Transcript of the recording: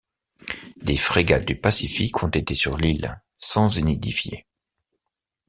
Des frégate du Pacifique ont été sur l'île, sans y nidifier.